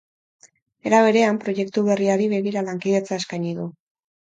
Era berean, proiektu berriari begira lankidetza eskaini du.